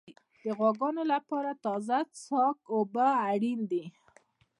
د غواګانو لپاره تازه څښاک اوبه اړین دي.